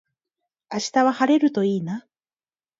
明日は晴れるといいな